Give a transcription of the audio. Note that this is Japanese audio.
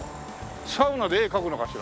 サウナで絵描くのかしら？